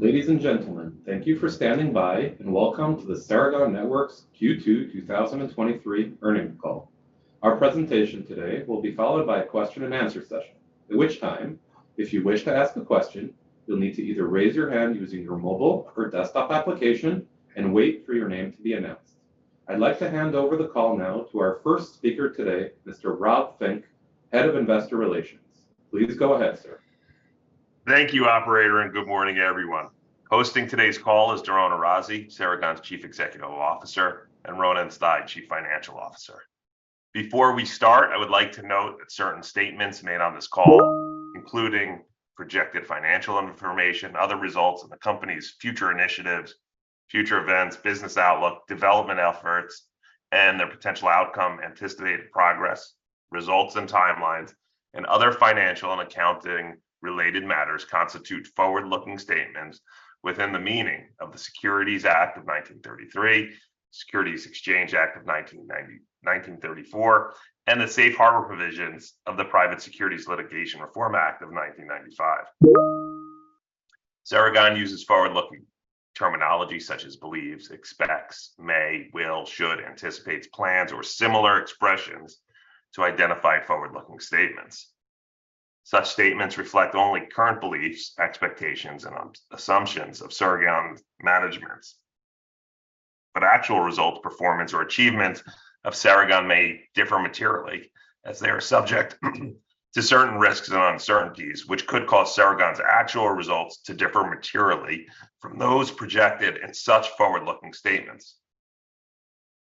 Ladies and gentlemen, thank you for standing by, and welcome to the Ceragon Networks Q2 2023 earnings call. Our presentation today will be followed by a question and answer session, at which time, if you wish to ask a question, you'll need to either raise your hand using your mobile or desktop application and wait for your name to be announced. I'd like to hand over the call now to our first speaker today, Mr. Rob Fink, Head of Investor Relations. Please go ahead, sir. Thank you, operator, and good morning, everyone. Hosting today's call is Doron Arazi, Ceragon's Chief Executive Officer, and Ronen Stein, Chief Financial Officer. Before we start, I would like to note that certain statements made on this call, including projected financial information, other results, and the company's future initiatives, future events, business outlook, development efforts, and their potential outcome, anticipated progress, results and timelines, and other financial and accounting related matters, constitute forward-looking statements within the meaning of the Securities Act of 1933, Securities Exchange Act of 1934, and the Safe Harbor provisions of the Private Securities Litigation Reform Act of 1995. Ceragon uses forward-looking terminology such as believes, expects, may, will, should, anticipates, plans, or similar expressions to identify forward-looking statements. Such statements reflect only current beliefs, expectations, and assumptions of Ceragon's management, but actual results, performance, or achievements of Ceragon may differ materially as they are subject to certain risks and uncertainties, which could cause Ceragon's actual results to differ materially from those projected in such forward-looking statements.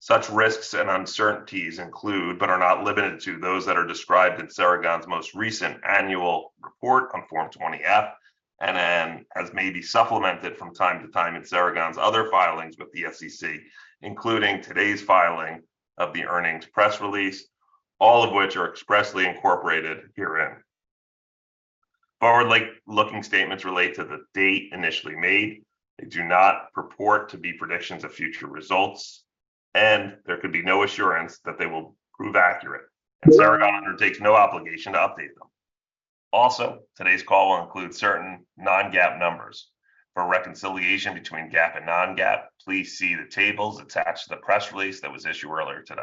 Such risks and uncertainties include, but are not limited to, those that are described in Ceragon's most recent annual report on Form 20-F, and then as may be supplemented from time to time in Ceragon's other filings with the SEC, including today's filing of the earnings press release, all of which are expressly incorporated herein. Forward-looking statements relate to the date initially made. They do not purport to be predictions of future results, and there could be no assurance that they will prove accurate, and Ceragon undertakes no obligation to update them. Today's call will include certain non-GAAP numbers. For reconciliation between GAAP and non-GAAP, please see the tables attached to the press release that was issued earlier today.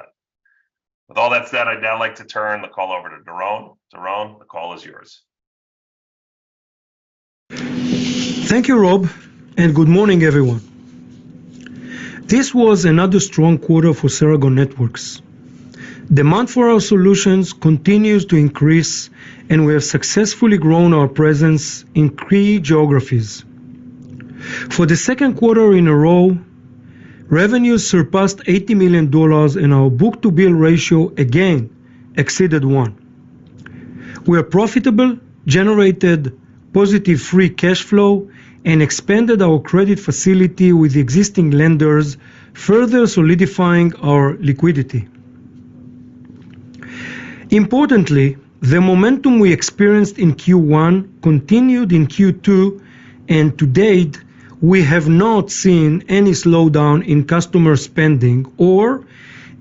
With all that said, I'd now like to turn the call over to Doron. Doron, the call is yours. Thank you, Rob, and good morning, everyone. This was another strong quarter for Ceragon Networks. Demand for our solutions continues to increase, and we have successfully grown our presence in key geographies. For the second quarter in a row, revenue surpassed $80 million, and our book-to-bill ratio again exceeded 1x. We are profitable, generated positive free cash flow, and expanded our credit facility with existing lenders, further solidifying our liquidity. Importantly, the momentum we experienced in Q1 continued in Q2, and to date, we have not seen any slowdown in customer spending or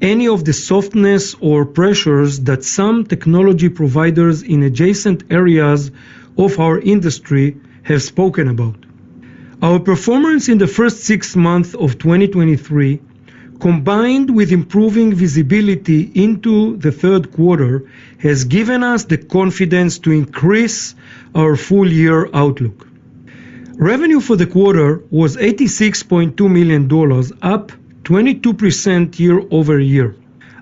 any of the softness or pressures that some technology providers in adjacent areas of our industry have spoken about. Our performance in the first six months of 2023, combined with improving visibility into the third quarter, has given us the confidence to increase our full year outlook. Revenue for the quarter was $86.2 million, up 22% year-over-year.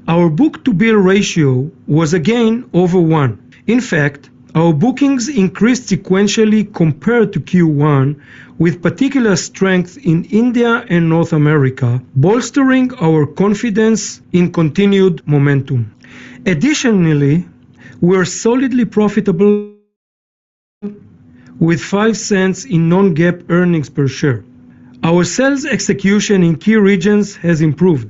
Our book-to-bill ratio was again over 1x. In fact, our bookings increased sequentially compared to Q1, with particular strength in India and North America, bolstering our confidence in continued momentum. Additionally, we are solidly profitable with $0.05 in non-GAAP earnings per share. Our sales execution in key regions has improved.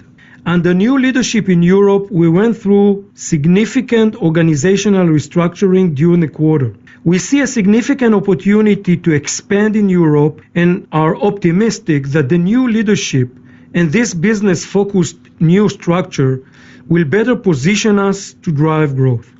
Under new leadership in Europe, we went through significant organizational restructuring during the quarter. We see a significant opportunity to expand in Europe and are optimistic that the new leadership and this business-focused new structure will better position us to drive growth.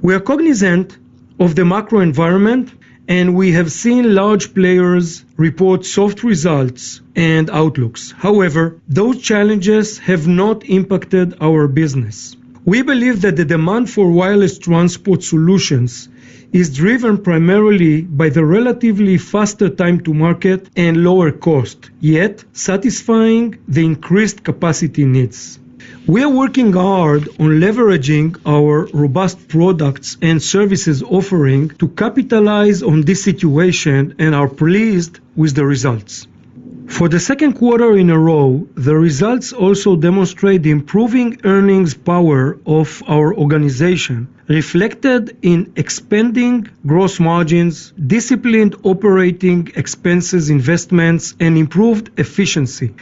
We are cognizant of the macro environment, and we have seen large players report soft results and outlooks. However, those challenges have not impacted our business. We believe that the demand for wireless transport solutions is driven primarily by the relatively faster time to market and lower cost, yet satisfying the increased capacity needs. We are working hard on leveraging our robust products and services offering to capitalize on this situation and are pleased with the results. For the second quarter in a row, the results also demonstrate the improving earnings power of our organization, reflected in expanding gross margins, disciplined OpEx, investments, and improved efficiency.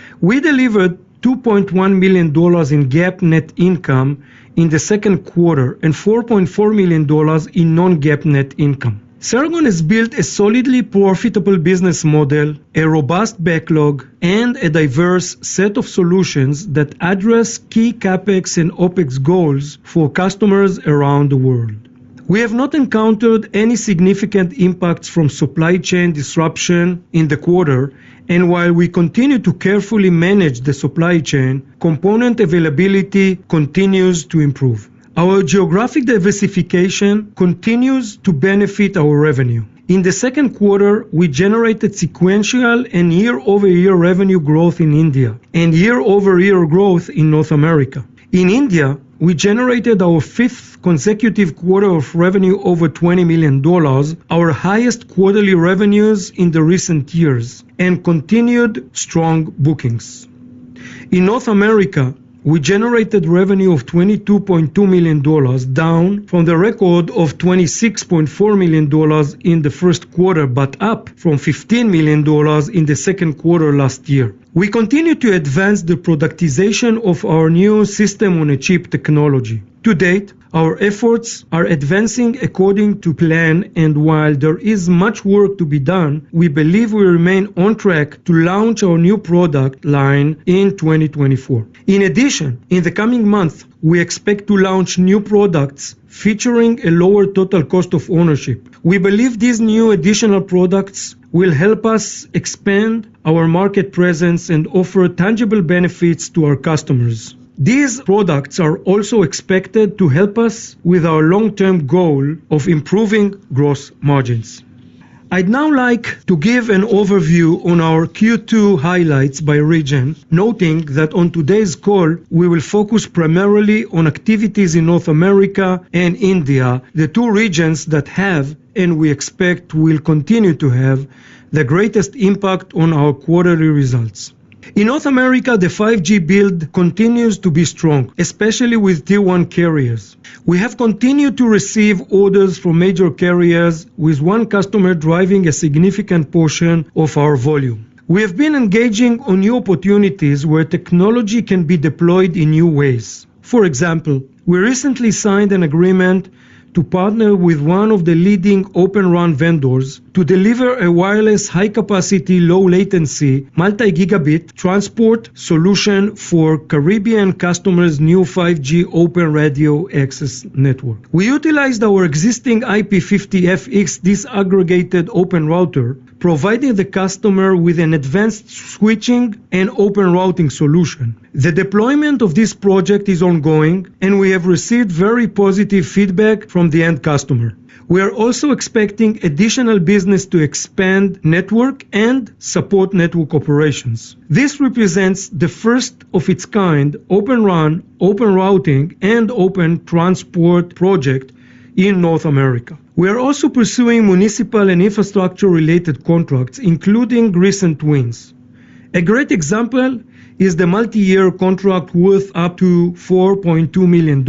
We delivered $2.1 million in GAAP net income in the second quarter and $4.4 million in non-GAAP net income. Ceragon has built a solidly profitable business model, a robust backlog, and a diverse set of solutions that address key CapEx and OpEx goals for customers around the world. We have not encountered any significant impacts from supply chain disruption in the quarter, while we continue to carefully manage the supply chain, component availability continues to improve. Our geographic diversification continues to benefit our revenue. In the second quarter, we generated sequential and year-over-year revenue growth in India, year-over-year growth in North America. In India, we generated our fifth consecutive quarter of revenue over $20 million, our highest quarterly revenues in the recent years, continued strong bookings. In North America, we generated revenue of $22.2 million, down from the record of $26.4 million in the first quarter, up from $15 million in the second quarter last year. We continue to advance the productization of our new system-on-a-chip technology. To date, our efforts are advancing according to plan, and while there is much work to be done, we believe we remain on track to launch our new product line in 2024. In addition, in the coming months, we expect to launch new products featuring a lower total cost of ownership. We believe these new additional products will help us expand our market presence and offer tangible benefits to our customers. These products are also expected to help us with our long-term goal of improving gross margins. I'd now like to give an overview on our Q2 highlights by region, noting that on today's call, we will focus primarily on activities in North America and India, the two regions that have, and we expect will continue to have, the greatest impact on our quarterly results. In North America, the 5G build continues to be strong, especially with Tier 1 carriers. We have continued to receive orders from major carriers, with one customer driving a significant portion of our volume. We have been engaging on new opportunities where technology can be deployed in new ways. For example, we recently signed an agreement to partner with one of the leading Open RAN vendors to deliver a wireless, high-capacity, low-latency, multi-gigabit transport solution for Caribbean customers' new 5G Open Radio Access Network. We utilized our existing IP-50FX disaggregated open router, providing the customer with an advanced switching and open routing solution. The deployment of this project is ongoing, and we have received very positive feedback from the end customer. We are also expecting additional business to expand network and support network operations. This represents the first of its kind Open RAN, open routing, and open transport project in North America. We are also pursuing municipal and infrastructure-related contracts, including recent wins. A great example is the multiyear contract worth up to $4.2 million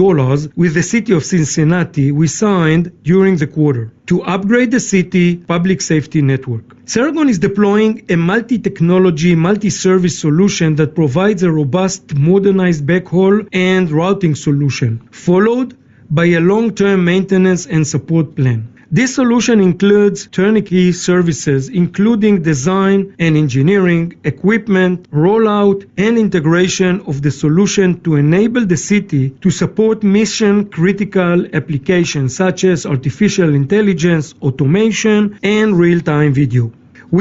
with the city of Cincinnati we signed during the quarter to upgrade the city public safety network. Ceragon is deploying a multi-technology, multi-service solution that provides a robust, modernized backhaul and routing solution, followed by a long-term maintenance and support plan. This solution includes turnkey services, including design and engineering, equipment, rollout, and integration of the solution to enable the city to support mission-critical applications such as artificial intelligence, automation, and real-time video.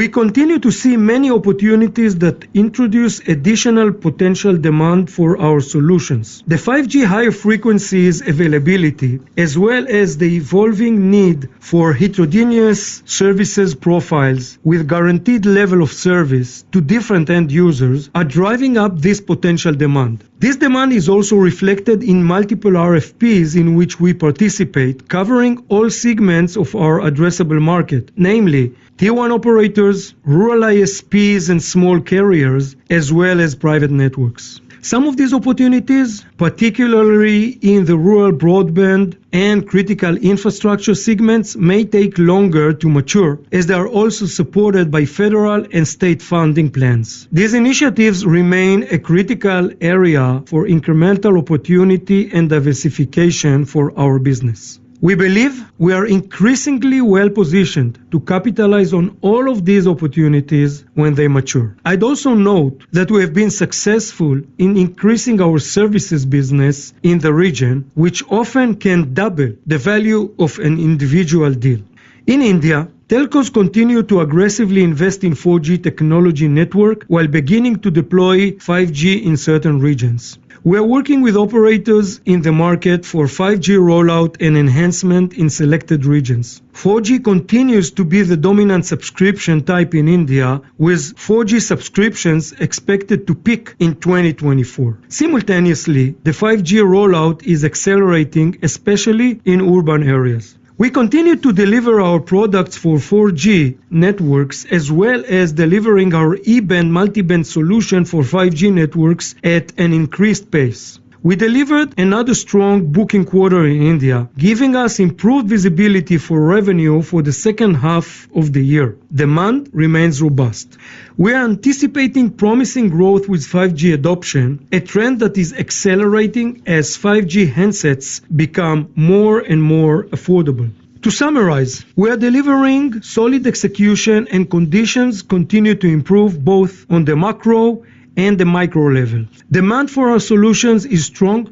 We continue to see many opportunities that introduce additional potential demand for our solutions. The 5G higher frequencies availability, as well as the evolving need for heterogeneous services profiles with guaranteed level of service to different end users, are driving up this potential demand. This demand is also reflected in multiple RFPs in which we participate, covering all segments of our addressable market, namely Tier 1 operators, rural ISPs, and small carriers, as well as private networks. Some of these opportunities, particularly in the rural broadband and critical infrastructure segments, may take longer to mature, as they are also supported by federal and state funding plans. These initiatives remain a critical area for incremental opportunity and diversification for our business. We believe we are increasingly well-positioned to capitalize on all of these opportunities when they mature. I'd also note that we have been successful in increasing our services business in the region, which often can double the value of an individual deal. In India, telcos continue to aggressively invest in 4G technology network while beginning to deploy 5G in certain regions. We are working with operators in the market for 5G rollout and enhancement in selected regions. 4G continues to be the dominant subscription type in India, with 4G subscriptions expected to peak in 2024. Simultaneously, the 5G rollout is accelerating, especially in urban areas. We continue to deliver our products for 4G networks, as well as delivering our E-band multi-band solution for 5G networks at an increased pace. We delivered another strong booking quarter in India, giving us improved visibility for revenue for the second half of the year. Demand remains robust. We are anticipating promising growth with 5G adoption, a trend that is accelerating as 5G handsets become more and more affordable. To summarize, we are delivering solid execution, and conditions continue to improve both on the macro and the micro level. Demand for our solutions is strong.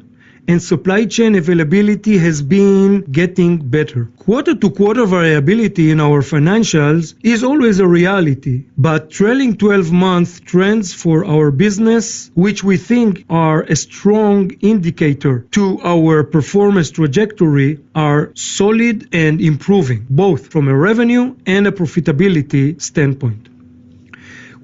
Supply chain availability has been getting better. Quarter-to-quarter variability in our financials is always a reality, but trailing 12-month trends for our business, which we think are a strong indicator to our performance trajectory, are solid and improving, both from a revenue and a profitability standpoint.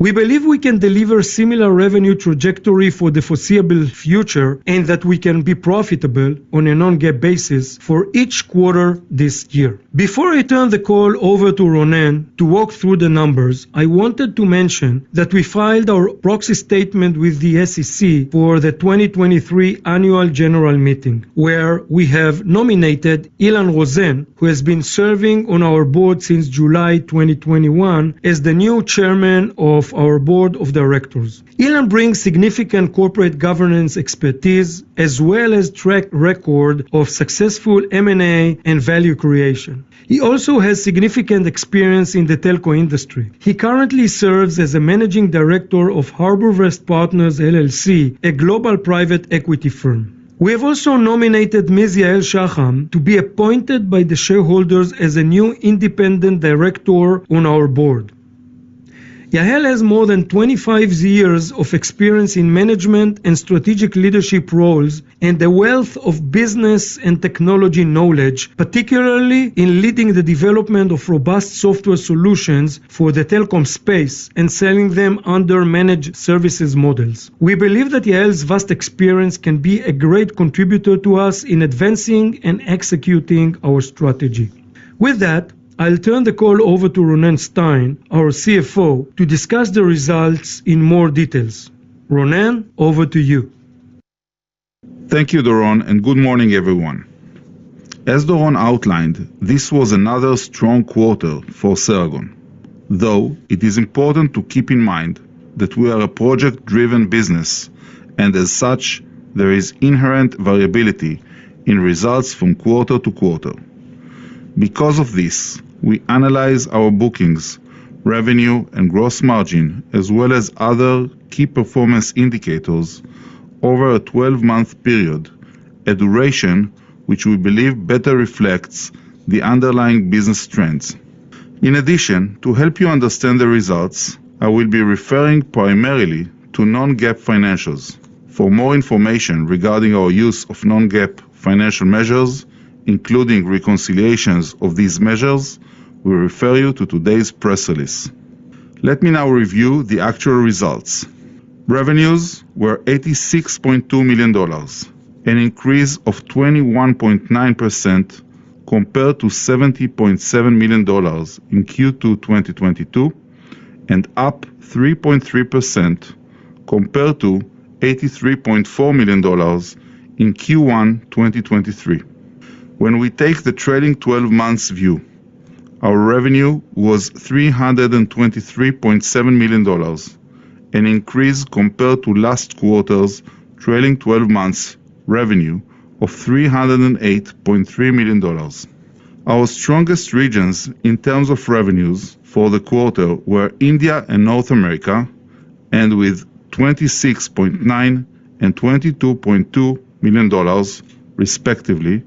We believe we can deliver similar revenue trajectory for the foreseeable future, and that we can be profitable on a non-GAAP basis for each quarter this year. Before I turn the call over to Ronen to walk through the numbers, I wanted to mention that we filed our proxy statement with the SEC for the 2023 Annual General Meeting, where we have nominated Ilan Rosen, who has been serving on our board since July 2021, as the new Chairman of our Board of Directors. Ilan brings significant corporate governance expertise as well as track record of successful M&A and value creation. He also has significant experience in the telco industry. He currently serves as a Managing Director of HarbourVest Partners, LLC, a global private equity firm. We have also nominated Ms. Yael Shaham to be appointed by the shareholders as a new Independent Director on our Board. Yael has more than 25 years of experience in management and strategic leadership roles, and a wealth of business and technology knowledge, particularly in leading the development of robust software solutions for the telecom space and selling them under managed services models. We believe that Yael's vast experience can be a great contributor to us in advancing and executing our strategy. With that, I'll turn the call over to Ronen Stein, our CFO, to discuss the results in more details. Ronen, over to you. Thank you, Doron. Good morning, everyone. As Doron outlined, this was another strong quarter for Ceragon, though it is important to keep in mind that we are a project-driven business. As such, there is inherent variability in results from quarter to quarter. Because of this, we analyze our bookings, revenue, and gross margin, as well as other key performance indicators over a 12-month period, a duration which we believe better reflects the underlying business trends. In addition, to help you understand the results, I will be referring primarily to non-GAAP financials. For more information regarding our use of non-GAAP financial measures, including reconciliations of these measures, we refer you to today's press release. Let me now review the actual results. Revenues were $86.2 million, an increase of 21.9% compared to $70.7 million in Q2 2022, and up 3.3% compared to $83.4 million in Q1 2023. When we take the trailing 12 months' view, our revenue was $323.7 million, an increase compared to last quarter's trailing 12 months revenue of $308.3 million. Our strongest regions in terms of revenues for the quarter were India and North America, with $26.9 million and $22.2 million, respectively,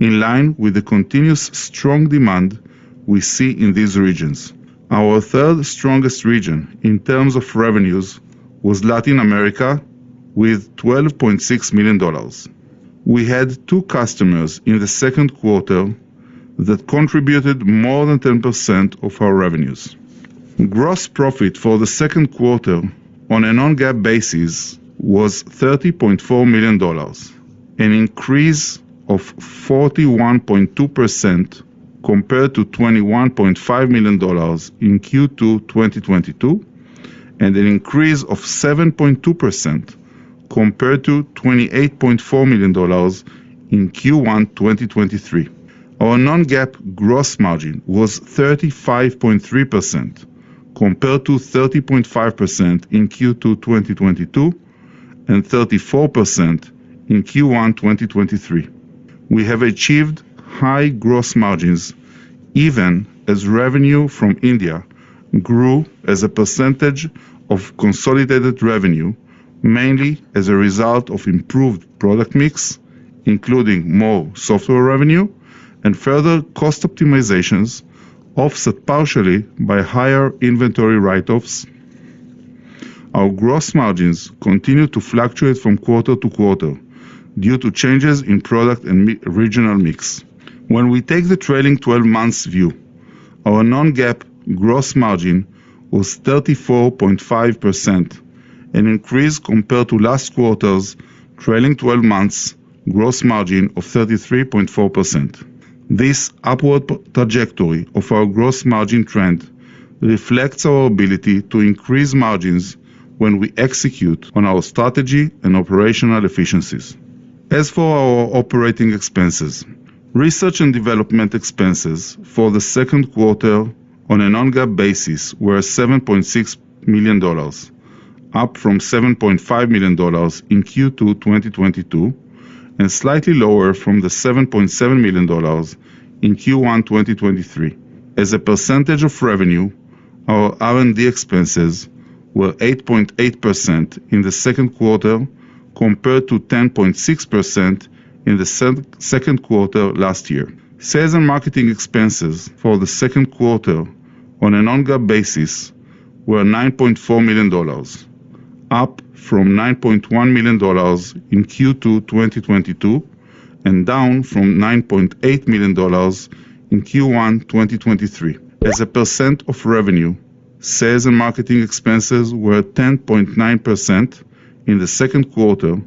in line with the continuous strong demand we see in these regions. Our third strongest region in terms of revenues was Latin America with $12.6 million. We had two customers in the second quarter that contributed more than 10% of our revenues. Gross profit for the second quarter on a non-GAAP basis was $30.4 million, an increase of 41.2% compared to $21.5 million in Q2 2022, and an increase of 7.2% compared to $28.4 million in Q1 2023. Our non-GAAP gross margin was 35.3%, compared to 30.5% in Q2 2022 and 34% in Q1 2023. We have achieved high gross margins even as revenue from India grew as a percentage of consolidated revenue, mainly as a result of improved product mix, including more software revenue and further cost optimizations, offset partially by higher inventory write-offs. Our gross margins continue to fluctuate from quarter to quarter due to changes in product and regional mix. We take the trailing 12 months' view, our non-GAAP gross margin was 34.5%, an increase compared to last quarter's trailing 12 months gross margin of 33.4%. This upward trajectory of our gross margin trend reflects our ability to increase margins when we execute on our strategy and operational efficiencies. As for our operating expenses, research and development expenses for the second quarter on a non-GAAP basis were $7.6 million, up from $7.5 million in Q2 2022, and slightly lower from the $7.7 million in Q1 2023. As a percentage of revenue, our R&D expenses were 8.8% in the second quarter compared to 10.6% in the second quarter last year. Sales and marketing expenses for the second quarter on a non-GAAP basis were $9.4 million, up from $9.1 million in Q2 2022, and down from $9.8 million in Q1 2023. As a percent of revenue, sales and marketing expenses were 10.9% in the second quarter,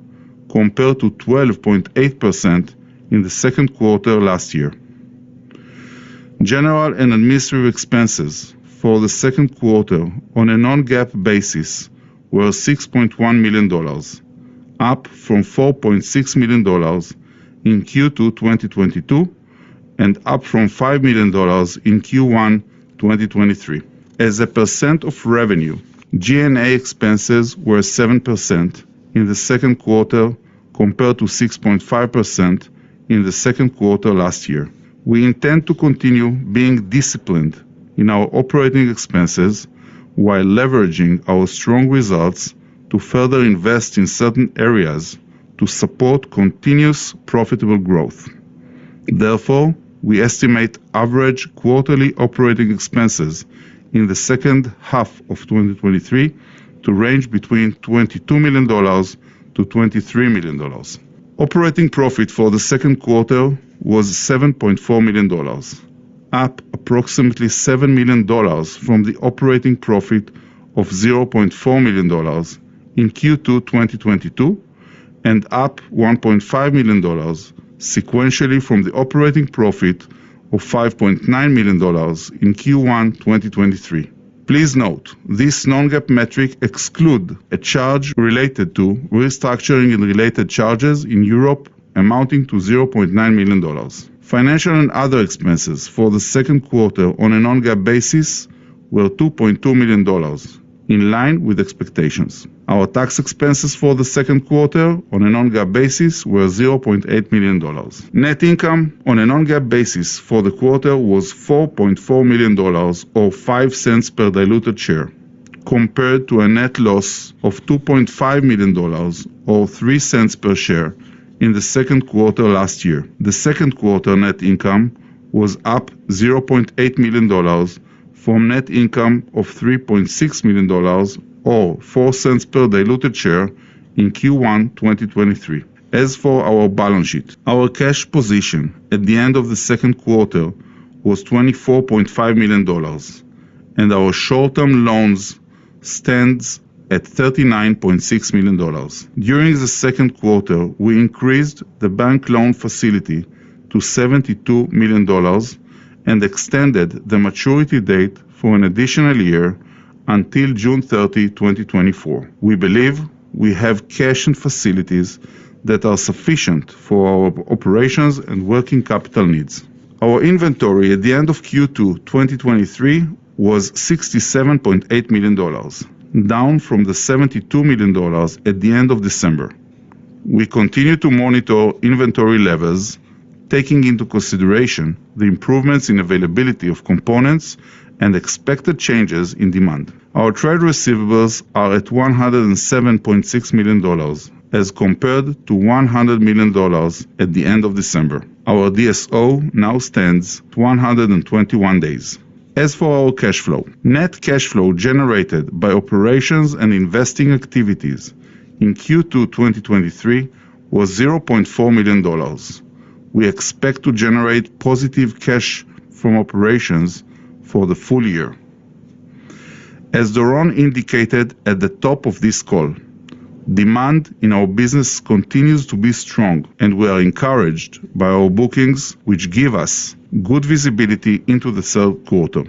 compared to 12.8% in the second quarter last year. General and administrative expenses for the second quarter on a non-GAAP basis were $6.1 million, up from $4.6 million in Q2 2022, and up from $5 million in Q1 2023. As a percent of revenue, G&A expenses were 7% in the second quarter, compared to 6.5% in the second quarter last year. We intend to continue being disciplined in our OpEx while leveraging our strong results to further invest in certain areas to support continuous profitable growth. Therefore, we estimate average quarterly OpEx in the second half of 2023 to range between $22 million-$23 million. Operating profit for the second quarter was $7.4 million, up approximately $7 million from the operating profit of $0.4 million in Q2, 2022, and up $1.5 million sequentially from the operating profit of $5.9 million in Q1, 2023. Please note, this non-GAAP metric exclude a charge related to restructuring and related charges in Europe, amounting to $0.9 million. Financial and other expenses for the second quarter on a non-GAAP basis were $2.2 million, in line with expectations. Our tax expenses for the second quarter on a non-GAAP basis were $0.8 million. Net income on a non-GAAP basis for the quarter was $4.4 million, or $0.05 per diluted share, compared to a net loss of $2.5 million or $0.03 per share in the second quarter last year. The second quarter net income was up $0.8 million from net income of $3.6 million, or $0.04 per diluted share in Q1 2023. As for our balance sheet, our cash position at the end of the second quarter was $24.5 million, and our short-term loans stands at $39.6 million. During the second quarter, we increased the bank loan facility to $72 million and extended the maturity date for an additional year until June 30, 2024. We believe we have cash and facilities that are sufficient for our operations and working capital needs. Our inventory at the end of Q2, 2023, was $67.8 million, down from the $72 million at the end of December. We continue to monitor inventory levels, taking into consideration the improvements in availability of components and expected changes in demand. Our trade receivables are at $107.6 million, as compared to $100 million at the end of December. Our DSO now stands at 121 days. As for our cash flow, net cash flow generated by operations and investing activities in Q2 2023 was $0.4 million. We expect to generate positive cash from operations for the full year. As Doron indicated at the top of this call, demand in our business continues to be strong, and we are encouraged by our bookings, which give us good visibility into the third quarter.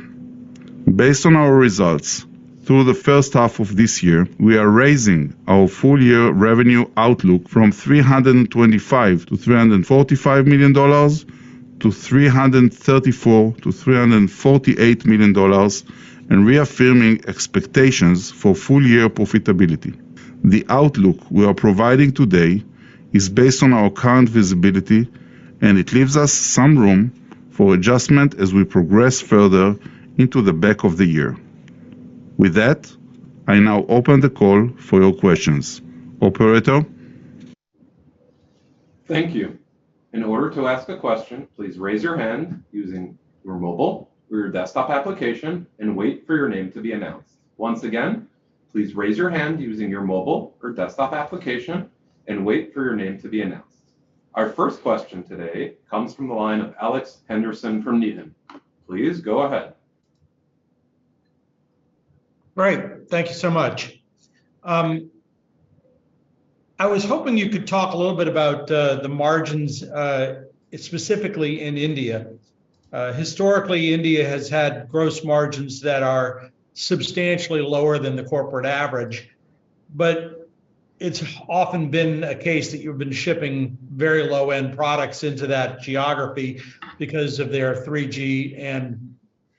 Based on our results through the first half of this year, we are raising our full-year revenue outlook from $325 million-$345 million to $334 million-$348 million and reaffirming expectations for full-year profitability. The outlook we are providing today is based on our current visibility, and it leaves us some room for adjustment as we progress further into the back of the year. With that, I now open the call for your questions. Operator? Thank you. In order to ask a question, please raise your hand using your mobile or your desktop application and wait for your name to be announced. Once again, please raise your hand using your mobile or desktop application and wait for your name to be announced. Our first question today comes from the line of Alex Henderson from Needham. Please go ahead. Great. Thank you so much. I was hoping you could talk a little bit about the margins specifically in India. Historically, India has had gross margins that are substantially lower than the corporate average, but it's often been a case that you've been shipping very low-end products into that geography because of their 3G and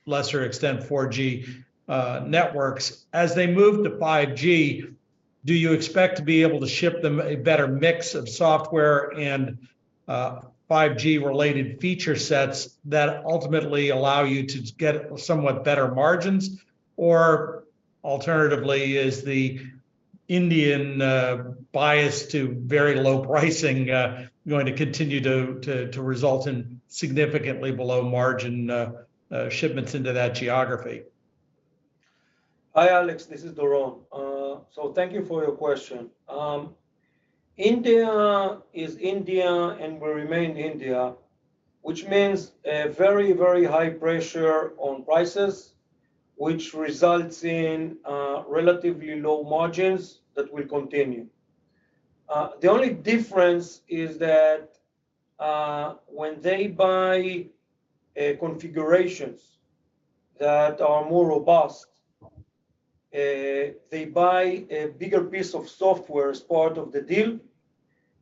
lesser extent 4G networks. As they move to 5G, do you expect to be able to ship them a better mix of software and 5G related feature sets that ultimately allow you to get somewhat better margins? Or alternatively, is the Indian bias to very low pricing going to continue to result in significantly below margin shipments into that geography? Hi, Alex, this is Doron. Thank you for your question. India is India and will remain India, which means a very, very high pressure on prices, which results in relatively low margins that will continue. The only difference is that when they buy configurations that are more robust, they buy a bigger piece of software as part of the deal,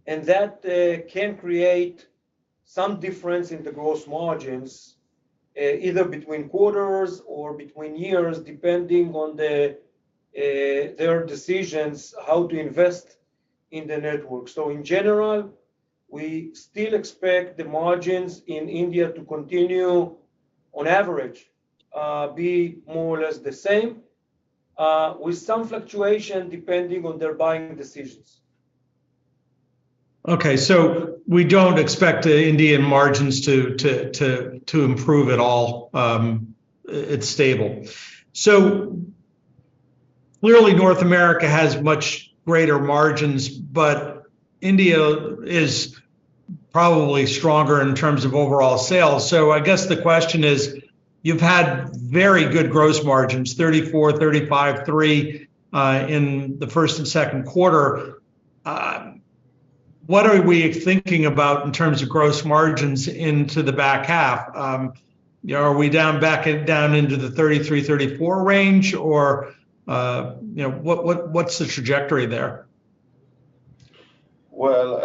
and that can create some difference in the gross margins, either between quarters or between years, depending on their decisions, how to invest in the network. In general, we still expect the margins in India to continue, on average, be more or less the same, with some fluctuation, depending on their buying decisions. Okay, we don't expect the India margins to improve at all. It's stable. Clearly, North America has much greater margins, but India is probably stronger in terms of overall sales. I guess the question is, you've had very good gross margins, 34%, 35.3%, in the first and second quarter. What are we thinking about in terms of gross margins into the back half? Are we down back at, down into the 33%-34% range, or, you know, what's the trajectory there? Well,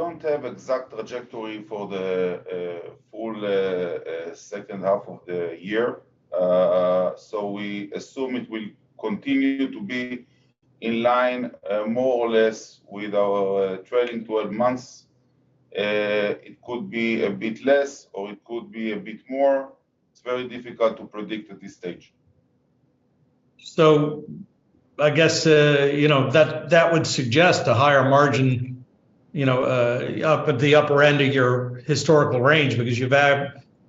we don't have exact trajectory for the full second half of the year. We assume it will continue to be in line more or less with our trailing 12 months. It could be a bit less, or it could be a bit more. It's very difficult to predict at this stage. I guess, you know, that, that would suggest a higher margin, you know, up at the upper end of your historical range, because you've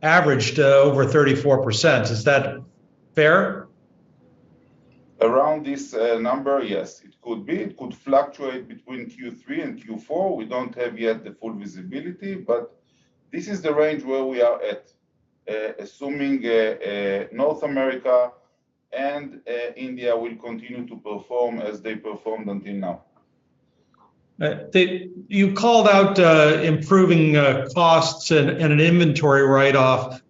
averaged, over 34%. Is that fair? Around this number, yes. It could be. It could fluctuate between Q3 and Q4. We don't have yet the full visibility, but this is the range where we are at, assuming North America and India will continue to perform as they performed until now. You called out improving costs and an inventory write-off.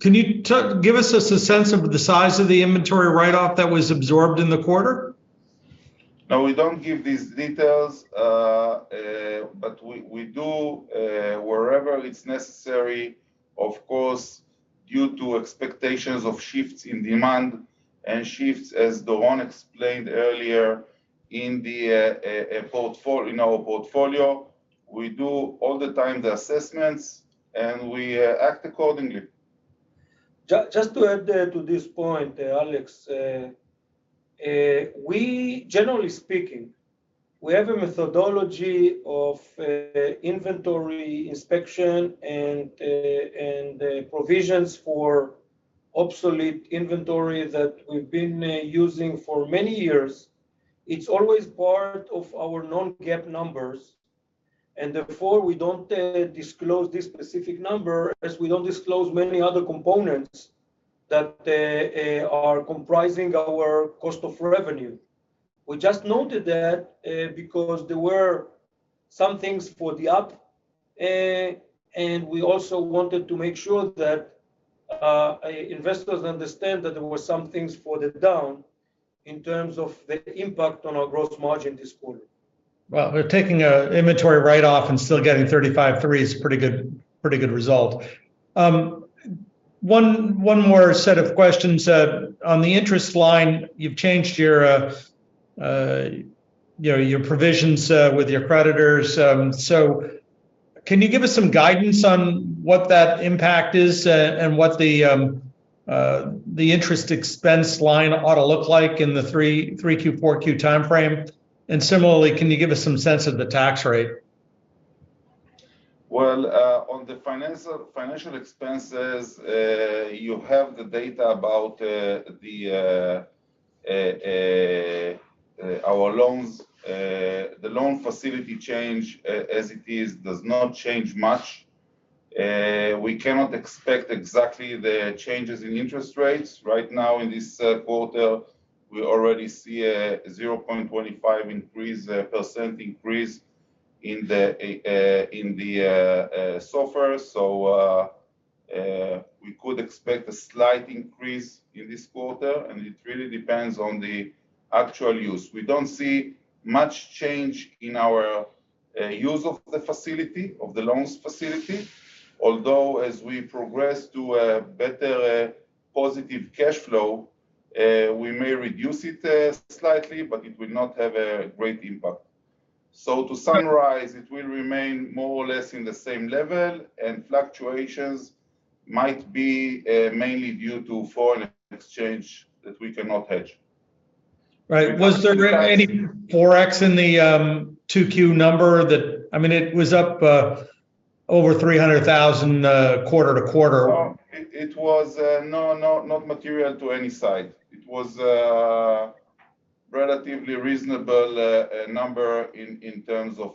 Can you give us just a sense of the size of the inventory write-off that was absorbed in the quarter? No, we don't give these details, but we, we do, wherever it's necessary, of course, due to expectations of shifts in demand and shifts, as Doron explained earlier, in the in our portfolio. We do all the time the assessments, and we act accordingly. Just to add to this point, Alex, we, generally speaking, we have a methodology of inventory inspection and and provisions for obsolete inventory that we've been using for many years. It's always part of our non-GAAP numbers, and therefore, we don't disclose this specific number, as we don't disclose many other components that are comprising our cost of revenue. We just noted that because there were some things for the up and we also wanted to make sure that investors understand that there were some things for the down in terms of the impact on our gross margin this quarter. Well, taking an inventory write off and still getting 35.3% is a pretty good, pretty good result. One, one more set of questions. On the interest line, you've changed your provisions with your creditors. Can you give us some guidance on what that impact is, and what the interest expense line ought to look like in the 3Q, 4Q timeframe? Similarly, can you give us some sense of the tax rate? On the financial, financial expenses, you have the data about our loans. The loan facility change, as it is, does not change much. We cannot expect exactly the changes in interest rates. Right now in this quarter, we already see a 0.25% increase in the software. We could expect a slight increase in this quarter, and it really depends on the actual use. We don't see much change in our use of the facility, of the loans facility. Although as we progress to a better, a positive cash flow, we may reduce it slightly, but it will not have a great impact. To summarize, it will remain more or less in the same level, and fluctuations might be, mainly due to foreign exchange that we cannot hedge. Right. Was there any forex in the 2Q number? I mean, it was up over $300,000 quarter-to-quarter. It was no, not, not material to any side. It was relatively reasonable number in terms of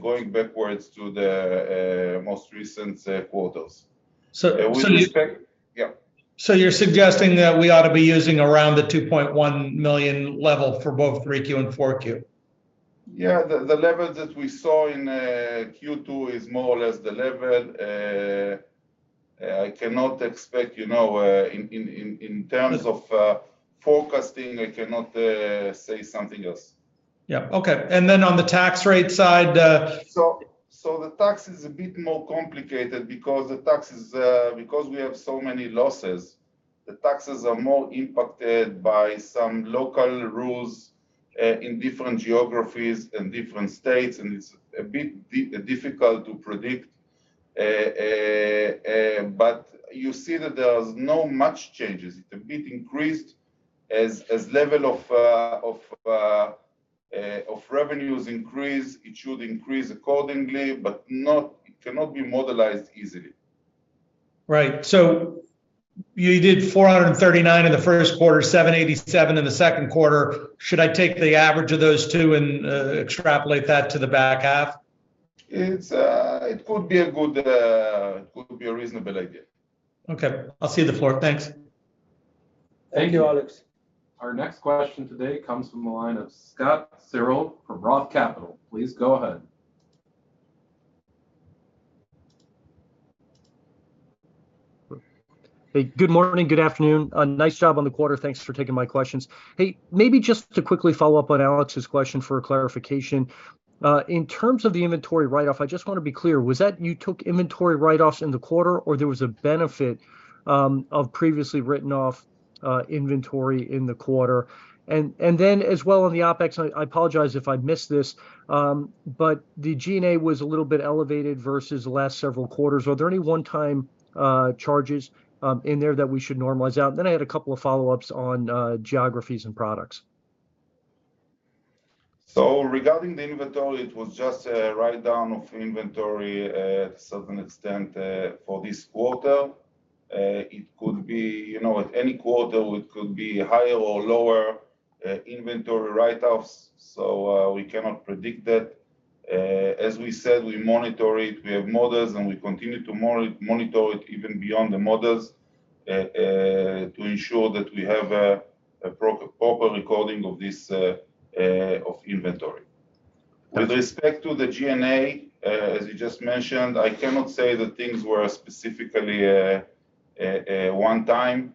going backwards to the most recent quarters. So, so- Yeah? You're suggesting that we ought to be using around the $2.1 million level for both 3Q and 4Q? Yeah. The, the level that we saw in Q2 is more or less the level. I cannot expect, you know, in terms of forecasting, I cannot say something else. Yeah. Okay. then on the tax rate side. So the tax is a bit more complicated because the taxes, because we have so many losses, the taxes are more impacted by some local rules, in different geographies and different states, and it's a bit difficult to predict. You see that there's no much changes. It a bit increased as, as level of revenues increase, it should increase accordingly, but it cannot be modelized easily. Right. You did 439 in the first quarter, 787 in the second quarter. Should I take the average of those two and extrapolate that to the back half? It's, it could be a good, it could be a reasonable idea. Okay. I'll cede the floor. Thanks. Thank you, Alex. Our next question today comes from the line of Scott Searle from Roth Capital. Please go ahead. Hey, good morning, good afternoon. Nice job on the quarter. Thanks for taking my questions. Hey, maybe just to quickly follow up on Alex's question for clarification. In terms of the inventory write-off, I just want to be clear, was that you took inventory write-offs in the quarter, or there was a benefit of previously written off inventory in the quarter? Then as well on the OpEx, I apologize if I missed this, but the G&A was a little bit elevated versus the last several quarters. Were there any one-time charges in there that we should normalize out? Then I had a couple of follow-ups on geographies and products. Regarding the inventory, it was just a write-down of inventory, to a certain extent, for this quarter. It could be, you know, at any quarter, it could be higher or lower, inventory write-offs, so, we cannot predict that. As we said, we monitor it, we have models, and we continue to monitor it even beyond the models, to ensure that we have a proper recording of this of inventory. With respect to the G&A, as you just mentioned, I cannot say that things were specifically a one time.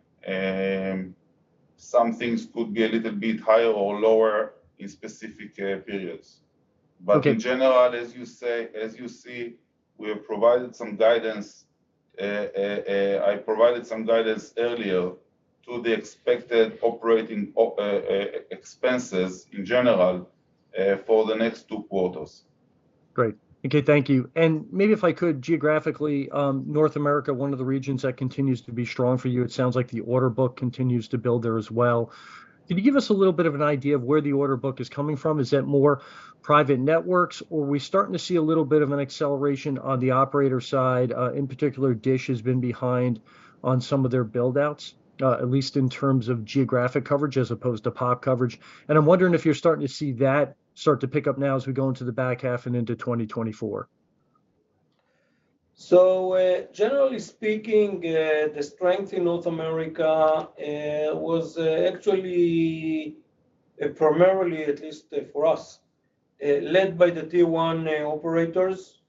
Some things could be a little bit higher or lower in specific periods. Okay. In general, as you say, as you see, we have provided some guidance. I provided some guidance earlier to the expected operating expenses in general for the next two quarters. Great. Okay, thank you. Maybe if I could, geographically, North America, one of the regions that continues to be strong for you, it sounds like the order book continues to build there as well. Can you give us a little bit of an idea of where the order book is coming from? Is that more private networks, or are we starting to see a little bit of an acceleration on the operator side? In particular, DISH has been behind on some of their build-outs, at least in terms of geographic coverage as opposed to pop coverage. I'm wondering if you're starting to see that start to pick up now as we go into the back half and into 2024. Generally speaking, the strength in North America was actually primarily, at least for us, led by the Tier 1 operators.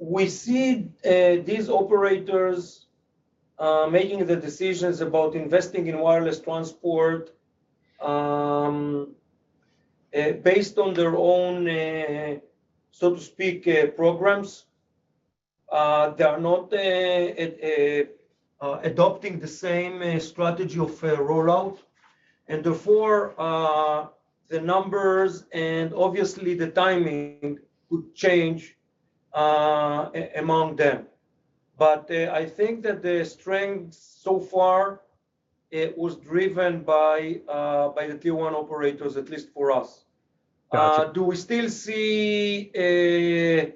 We see these operators making the decisions about investing in wireless transport, based on their own, so to speak, programs. They are not adopting the same strategy of rollout. Therefore, the numbers and obviously, the timing could change among them. I think that the strength so far, it was driven by the Tier 1 operators, at least for us. Gotcha. Do we still see this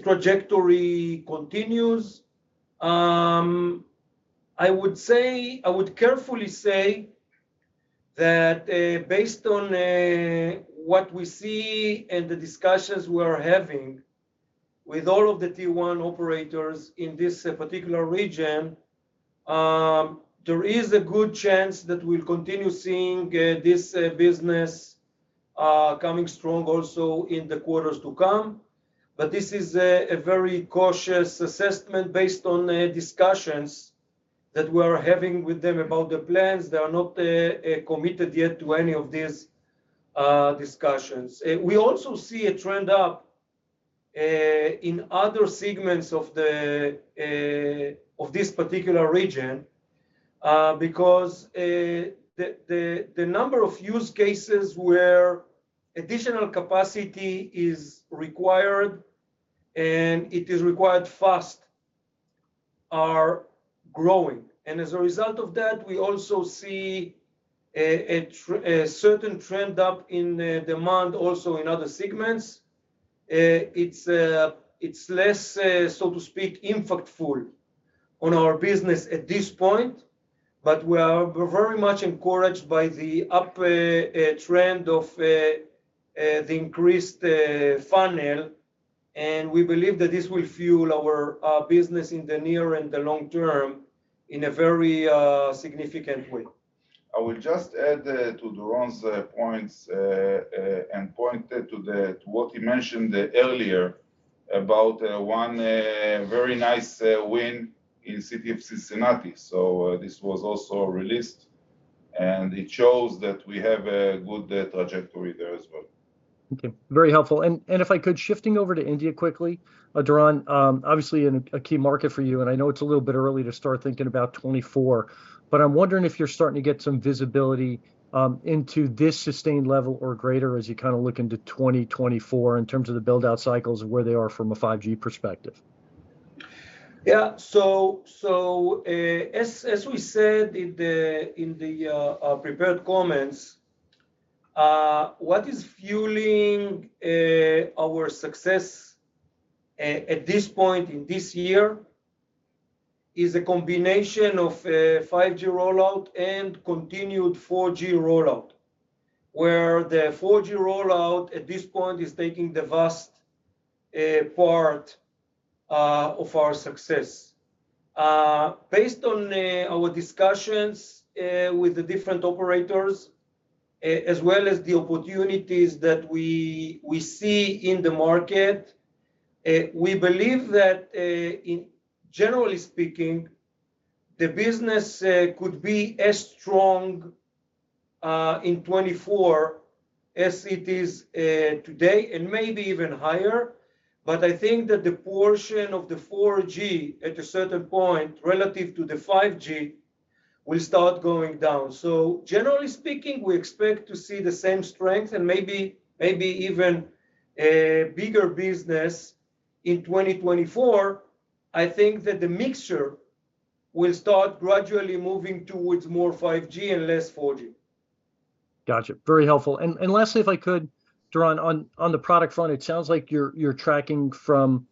trajectory continues? I would say, I would carefully say that, based on what we see and the discussions we are having with all of the Tier 1 operators in this particular region, there is a good chance that we'll continue seeing this coming strong also in the quarters to come, but this is a very cautious assessment based on the discussions that we're having with them about the plans. They are not committed yet to any of these discussions. We also see a trend up in other segments of this particular region, because the number of use cases where additional capacity is required, and it is required fast, are growing. As a result of that, we also see a certain trend up in the demand, also in other segments. It's less, so to speak, impactful on our business at this point, but we're very much encouraged by the up trend of the increased funnel, and we believe that this will fuel our business in the near and the long term in a very significant way. I will just add, to Doron's, points, and point to the, to what he mentioned earlier about, one, very nice, win in city of Cincinnati. This was also released, and it shows that we have a good, trajectory there as well. Okay. Very helpful. If I could, shifting over to India quickly, Doron, obviously a key market for you, and I know it's a little bit early to start thinking about 2024, but I'm wondering if you're starting to get some visibility, into this sustained level or greater as you kinda look into 2024, in terms of the build-out cycles and where they are from a 5G perspective? Yeah. As, as we said in the, in the, prepared comments, what is fueling, our success at this point in this year, is a combination of a 5G rollout and continued 4G rollout, where the 4G rollout at this point is taking the vast, part, of our success. Based on, our discussions, with the different operators, as well as the opportunities that we, we see in the market, we believe that, generally speaking, the business, could be as strong, in 2024 as it is, today, and maybe even higher, I think that the portion of the 4G at a certain point, relative to the 5G, will start going down. Generally speaking, we expect to see the same strength and maybe, maybe even a bigger business in 2024. I think that the mixture will start gradually moving towards more 5G and less 4G. Gotcha. Very helpful. Lastly, if I could, Doron, on, on the product front, it sounds like you're, you're tracking from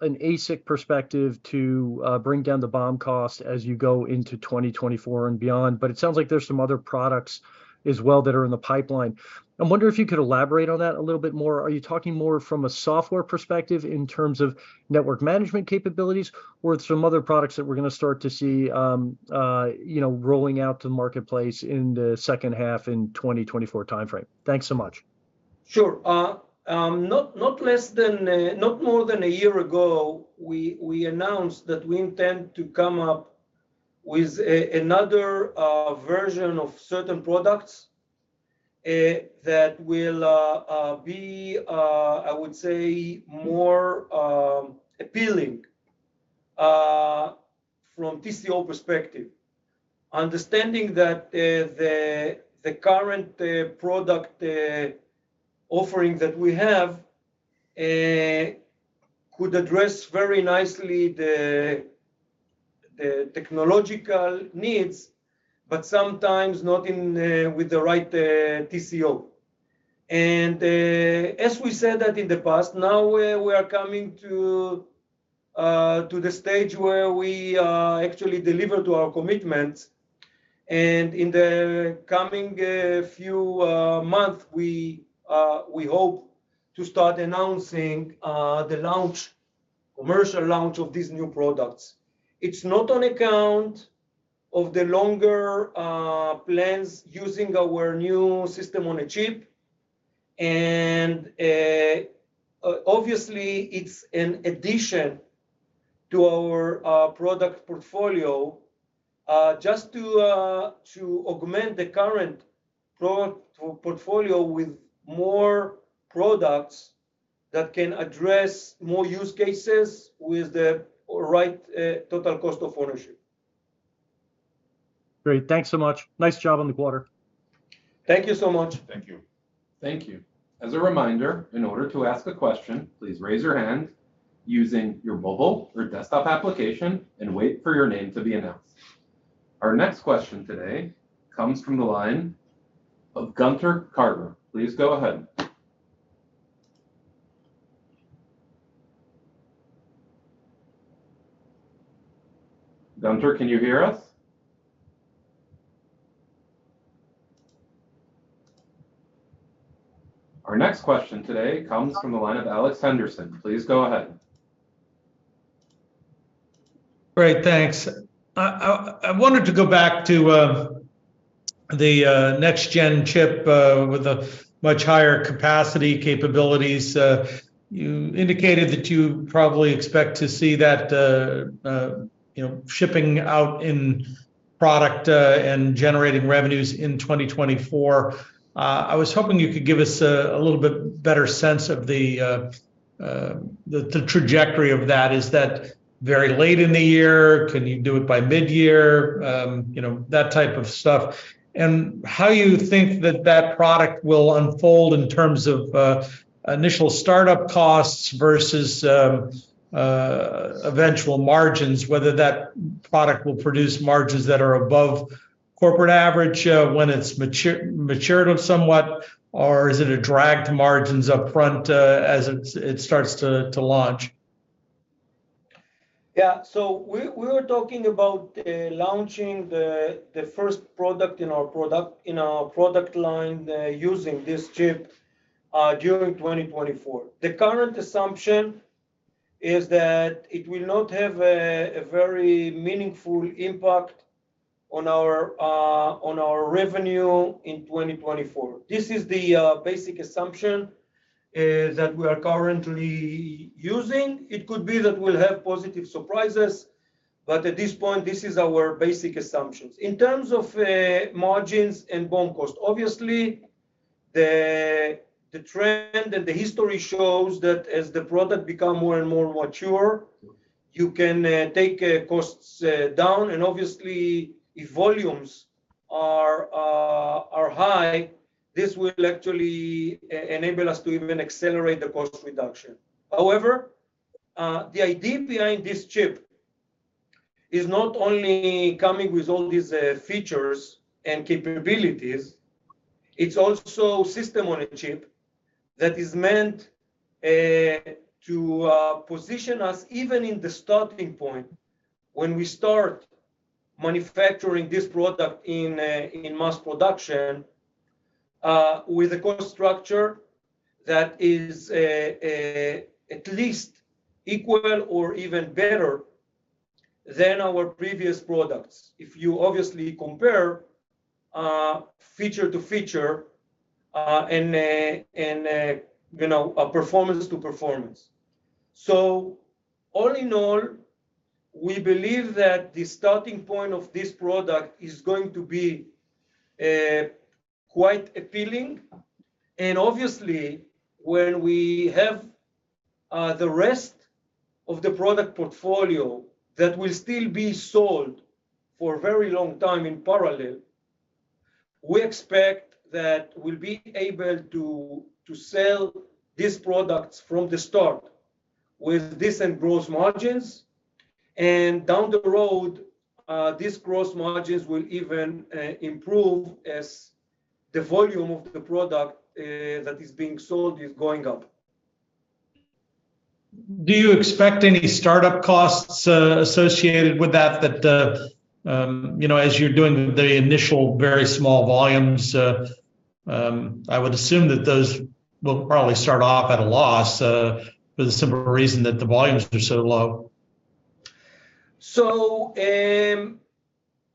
an ASIC perspective to bring down the BOM cost as you go into 2024 and beyond, but it sounds like there's some other products as well that are in the pipeline. I wonder if you could elaborate on that a little bit more. Are you talking more from a software perspective in terms of network management capabilities, or some other products that we're gonna start to see, you know, rolling out to the marketplace in the second half in 2024 timeframe? Thanks so much. Sure. not, not less than, not more than a year ago, we, we announced that we intend to come up with another version of certain products that will be, I would say, more appealing from TCO perspective. Understanding that the current product offering that we have could address very nicely the technological needs, but sometimes not in with the right TCO. As we said that in the past, now we, we are coming to the stage where we are actually deliver to our commitments, and in the coming few month, we hope to start announcing the launch, commercial launch of these new products. It's not on account of the longer plans using our new system-on-a-chip, and obviously it's in addition to our product portfolio, just to augment the current portfolio with more products that can address more use cases with the right total cost of ownership. Great. Thanks so much. Nice job on the quarter. Thank you so much. Thank you. Thank you. As a reminder, in order to ask a question, please raise your hand using your mobile or desktop application and wait for your name to be announced. Our next question today comes from the line of Gunther Carter. Please go ahead. Gunther, can you hear us? Our next question today comes from the line of Alex Henderson. Please go ahead. Great, thanks. I wanted to go back to the next gen chip with a much higher capacity capabilities. You indicated that you probably expect to see that, you know, shipping out in product and generating revenues in 2024. I was hoping you could give us a little bit better sense of the trajectory of that. Is that very late in the year? Can you do it by mid-year? You know, that type of stuff. And how you think that that product will unfold in terms of initial startup costs versus eventual margins, whether that product will produce margins that are above corporate average when it's matured somewhat? Or is it a drag to margins up front as it starts to launch? Yeah. We, we were talking about launching the first product in our product, in our product line, using this chip during 2024. The current assumption is that it will not have a very meaningful impact on our revenue in 2024. This is the basic assumption that we are currently using. It could be that we'll have positive surprises, but at this point, this is our basic assumptions. In terms of margins and BOM cost, obviously, the trend and the history shows that as the product become more and more mature, you can take costs down, and obviously, if volumes are high, this will actually enable us to even accelerate the cost reduction. However, the idea behind this chip is not only coming with all these features and capabilities, it's also system-on-a-chip that is meant to position us, even in the starting point, when we start manufacturing this product in mass production, with a cost structure that is at least equal or even better than our previous products. If you obviously compare feature to feature, and you know, a performance to performance. All in all, we believe that the starting point of this product is going to be quite appealing. Obviously, when we have, the rest of the product portfolio, that will still be sold for a very long time in parallel, we expect that we'll be able to, to sell these products from the start with decent gross margins, and down the road, these gross margins will even, improve as the volume of the product, that is being sold is going up. Do you expect any startup costs associated with that, you know, as you're doing the initial, very small volumes? I would assume that those will probably start off at a loss for the simple reason that the volumes are so low.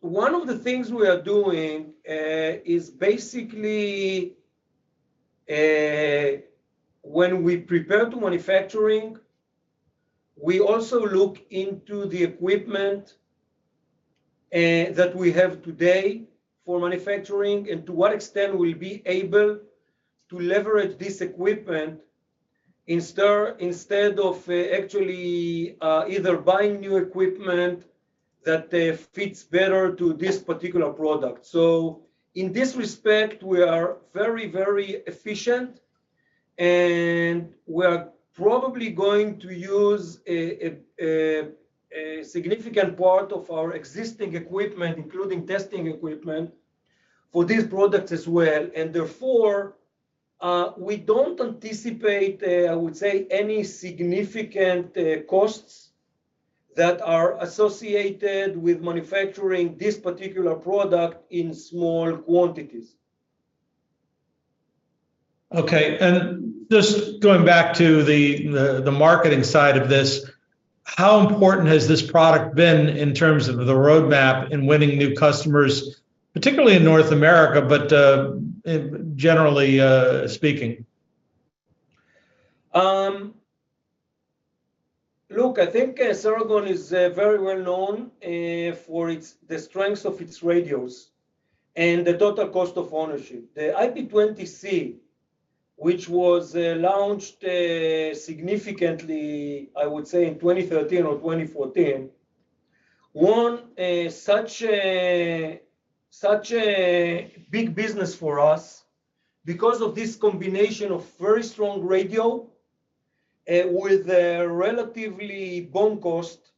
One of the things we are doing is basically when we prepare to manufacturing, we also look into the equipment that we have today for manufacturing, and to what extent we'll be able to leverage this equipment instead, instead of actually either buying new equipment that fits better to this particular product. In this respect, we are very, very efficient, and we're probably going to use a significant part of our existing equipment, including testing equipment, for this product as well. Therefore, we don't anticipate, I would say, any significant costs that are associated with manufacturing this particular product in small quantities. Okay. Just going back to the, the, the marketing side of this, how important has this product been in terms of the roadmap in winning new customers, particularly in North America, but, generally, speaking? Look, I think Ceragon is very well known for the strength of its radios and the total cost of ownership. The IP-20C, which was launched significantly, I would say, in 2013 or 2014, won such a big business for us because of this combination of very strong radio with a relatively BOM cost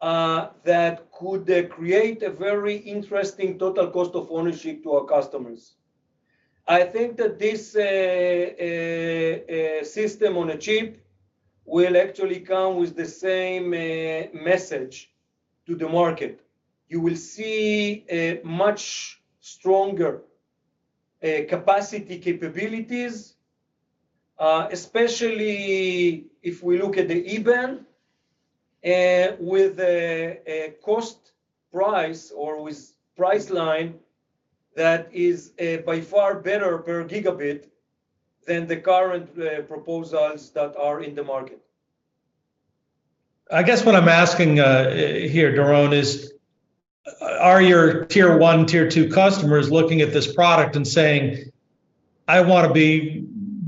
that could create a very interesting total cost of ownership to our customers. I think that this system-on-a-chip will actually come with the same message to the market. You will see a much stronger capacity capabilities, especially if we look at the E-band, and with a cost price or with price line that is by far better per gigabit than the current proposals that are in the market. I guess what I'm asking, here, Doron, is are your Tier 1, Tier 2 customers looking at this product and saying, "I wanna be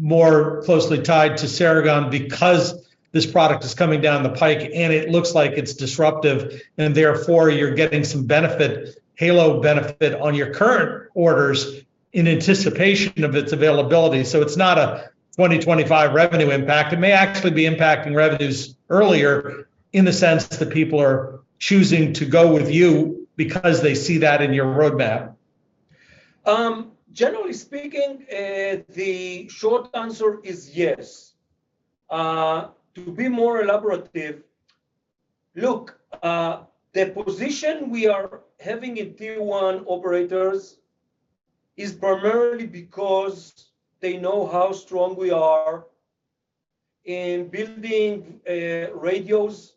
more closely tied to Ceragon because this product is coming down the pike, and it looks like it's disruptive," and therefore you're getting some benefit, halo benefit, on your current orders in anticipation of its availability? It's not a 2025 revenue impact. It may actually be impacting revenues earlier in the sense that people are choosing to go with you because they see that in your roadmap. Generally speaking, the short answer is yes. To be more elaborative, look, the position we are having in Tier 1 operators is primarily because they know how strong we are in building radios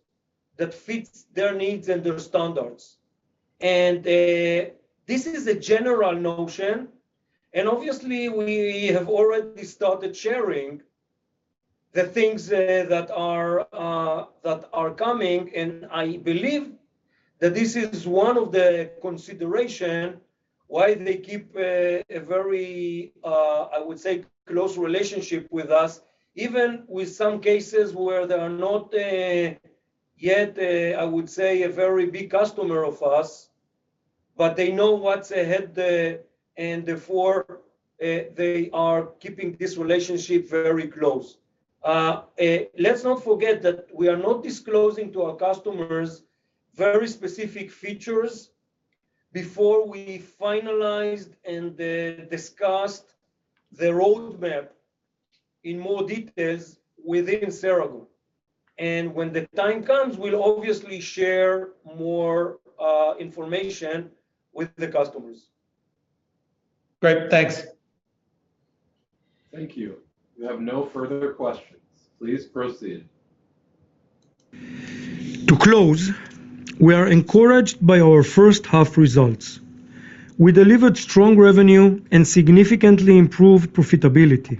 that fits their needs and their standards. This is a general notion, and obviously we have already started sharing the things that are that are coming, and I believe that this is one of the consideration why they keep a very, I would say, close relationship with us, even with some cases where they are not yet, I would say, a very big customer of us, but they know what's ahead, and therefore, they are keeping this relationship very close. Let's not forget that we are not disclosing to our customers very specific features before we finalized and discussed the roadmap in more details within Ceragon, and when the time comes, we'll obviously share more information with the customers. Great. Thanks. Thank you. We have no further questions. Please proceed. To close, we are encouraged by our first half results. We delivered strong revenue and significantly improved profitability.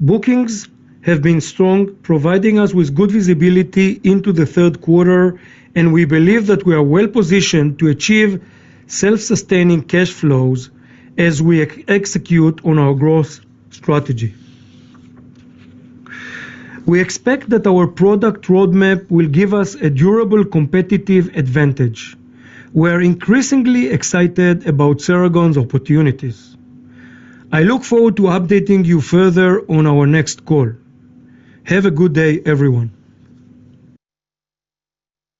Bookings have been strong, providing us with good visibility into the third quarter, and we believe that we are well positioned to achieve self-sustaining cash flows as we execute on our growth strategy. We expect that our product roadmap will give us a durable, competitive advantage. We're increasingly excited about Ceragon's opportunities. I look forward to updating you further on our next call. Have a good day, everyone.